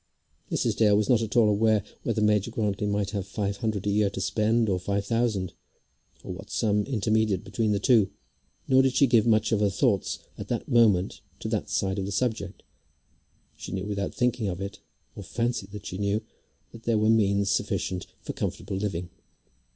Mrs. Dale was not at all aware whether Major Grantly might have five hundred a year to spend, or five thousand, or what sum intermediate between the two, nor did she give much of her thoughts at the moment to that side of the subject. She knew without thinking of it, or fancied that she knew, that there were means sufficient for comfortable living.